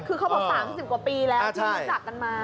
คือเขาพอสามสิบกว่าปีแล้วที่กลับกันมา